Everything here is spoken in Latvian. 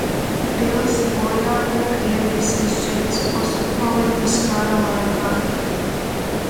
Pils bojājumi Krievijas – Žečpospolitas kara laikā.